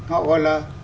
họ gọi là